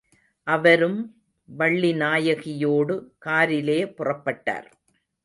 அவரும் வள்ளிநாயகியோடு காரிலே புறப்பட்டார்.